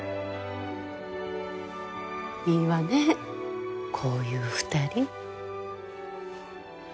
いいわねこういう２人。